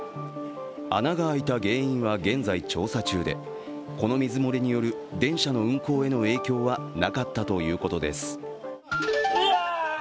穴が開いた原因は現在調査中でこの水漏れによる電車の運行への影響はなかったということです。